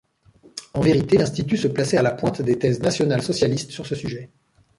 En vérité, l'institut se plaçait à la pointe des thèses nationales-socialistes sur ce sujet.